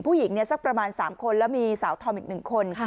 ผู้หญิงสักประมาณ๓คนแล้วมีสาวธอมอีก๑คน